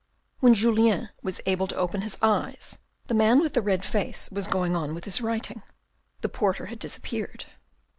When Julien was able to open his eyes, the man with the red face was going on with his writing. The porter had disappeared.